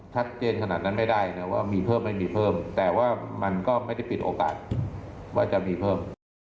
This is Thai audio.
ชัดเจนขนาดนั้นไม่ได้นะว่ามีเพิ่มไม่มีเพิ่มแต่ว่ามันก็ไม่ได้ปิดโอกาสว่าจะมีเพิ่ม